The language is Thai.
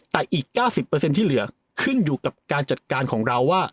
แต่อีก๙๐ที่เหลือขึ้นอยู่กับการจัดการของเราว่า